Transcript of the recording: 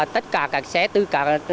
tất cả các xe tư cạc